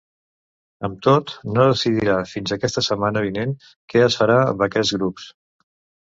Amb tot, no decidirà fins aquesta setmana vinent què es farà amb aquests grups.